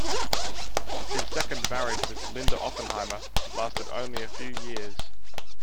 His second marriage with Linda Oppenheimer lasted only a few years.